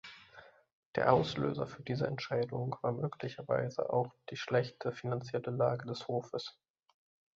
Der Auslöser für diese Entscheidung war möglicherweise auch die schlechte finanzielle Lage des Hofes.